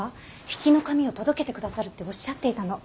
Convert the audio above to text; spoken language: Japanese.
比企の紙を届けてくださるっておっしゃっていたの。